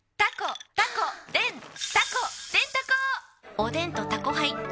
おでんと「タコハイ」ん！